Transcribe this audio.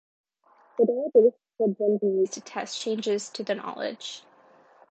The data base could then be used to test changes to the knowledge.